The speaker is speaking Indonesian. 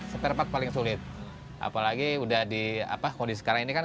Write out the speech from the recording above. sperpat paling sulit apalagi kondisi sekarang ini kan